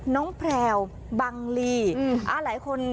น้องแผลวบังลีอ่าหลายคน